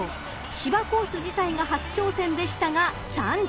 ［芝コース自体が初挑戦でしたが３着］